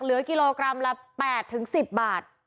เหลือกิโลกรัมละ๘๑๐บาท